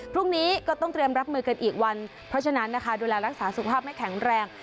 พรุ่งนี้ก็ต้องเตรียมรับมือกันอีกวันเพราะฉะนั้นนะคะดูแลรักษาสุขภาพให้แข็งแรง